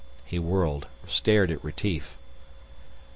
He whirled, stared at Retief.